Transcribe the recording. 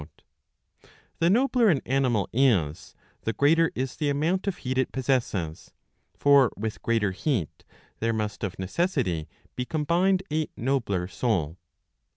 The nobler an animal is, the greater is the amount of heat it possesses. For with greater heat there must of neces sity be combined a nobler soul."